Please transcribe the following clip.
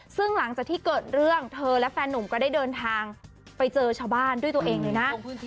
ซึ่งหลังจากที่เกิดเรื่องเธอและแฟนหนุ่มก็ได้เดินทางไปเจอชาวบ้านด้วยตัวเองเลยนะ